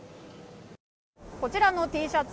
こちらのＴシャツ